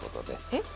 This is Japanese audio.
えっ？